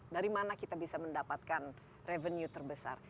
dari mana kita bisa mendapatkan revenue terbesar